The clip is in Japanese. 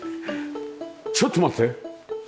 ちょっと待って！